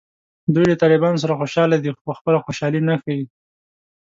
دوی له طالبانو سره خوشحاله دي خو خپله خوشحالي نه ښیي